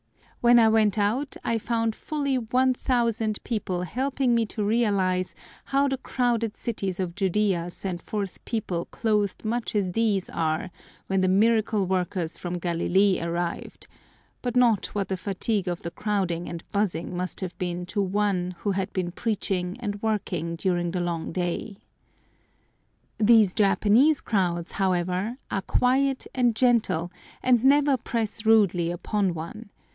When I went out I found fully 1000 people helping me to realise how the crowded cities of Judea sent forth people clothed much as these are when the Miracle Worker from Galilee arrived, but not what the fatigue of the crowding and buzzing must have been to One who had been preaching and working during the long day. These Japanese crowds, however, are quiet and gentle, and never press rudely upon one.